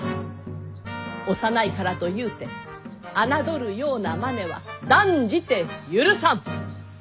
幼いからとゆうて侮るようなマネは断じて許さん。